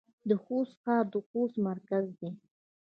د خوست ښار د خوست مرکز دی